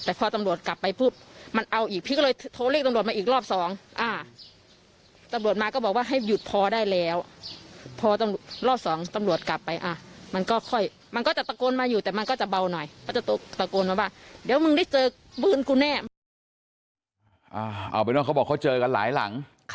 เอาไปเพราะเขาบอกว่าเขาเจอกันหลายหลัง